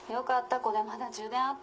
これまだ充電あった。